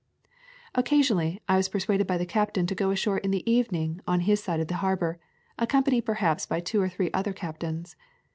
Occasionally I was persuaded by the captain to go ashore in the evening on his side of the harbor, accompanied perhaps by two or three other captains.